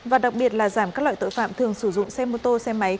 và đặc biệt là giảm các loại tội phạm thường sử dụng xe mô tô xe máy